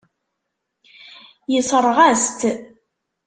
Yessṛeɣ-as-tt.